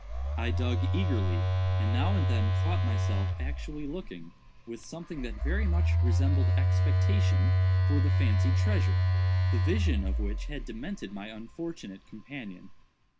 I dug eagerly, and now and then caught myself actually looking, with something that very much resembled expectation, for the fancied treasure, the vision of which had demented my unfortunate companion.